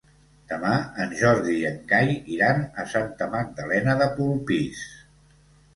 Demà en Jordi i en Cai iran a Santa Magdalena de Polpís.